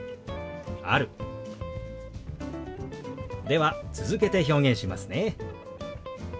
では続けて表現しますね。